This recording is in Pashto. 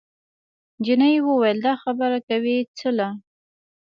جینۍ وویل دا خبرې کوې څله؟